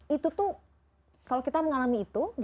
itu tuh kalau kita mengalami itu